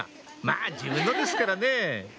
まぁ自分のですからね